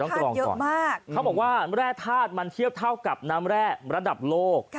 เขาบอกว่าแร่ธาตุเทียบเท่ากับน้ำแร่ระดับโลก